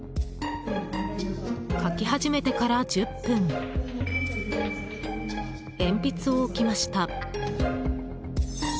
書き始めてから１０分鉛筆を置きました。